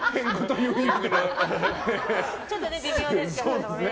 ちょっと微妙ですけどね。